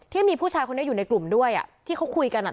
ที่มีผู้ชายคนนี้อยู่ในกลุ่มด้วยที่เขาคุยกัน